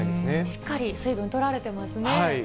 しっかり水分とられてますね。